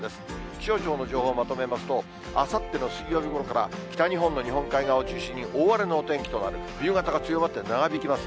気象庁の情報をまとめますと、あさっての水曜日ごろから北日本の日本海側を中心に、大荒れのお天気となる、冬型が強まって、長引きます。